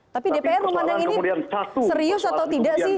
tapi dpr memandang ini serius atau tidak sih